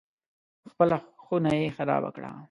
خپله خونه یې خرابه کړه.